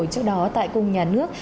trước đó tại cùng nhà nước